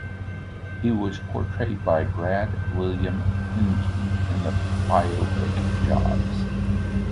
He was portrayed by Brad William Henke in the biopic "Jobs".